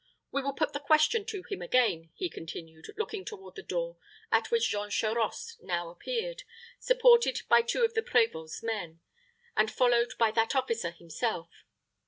We will put the question to him again," he continued, looking toward the door at which Jean Charost now appeared, supported by two of the prévôt's men, and followed by that officer himself.